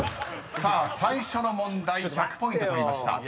［さあ最初の問題１００ポイント取りました］